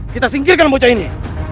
kita singkirkan bocah ini